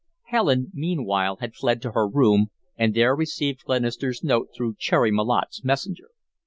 Helen meanwhile had fled to her room, and there received Glenister's note through Cherry Malotte's messenger.